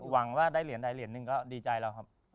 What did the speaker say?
หวังว่าได้เหรียญใดเหรียญหนึ่งก็ดีใจแล้วครับ